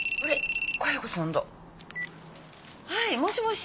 はいもしもし？